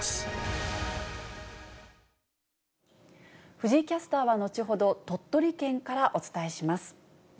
藤井キャスターは後ほど、鳥取県からお伝えします。